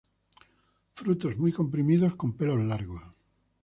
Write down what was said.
Frutos muy comprimidos, con pelos largos.